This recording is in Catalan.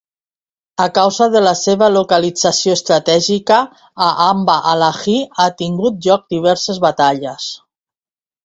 A causa de la seva localització estratègica, a Amba Alaji ha tingut lloc diverses batalles.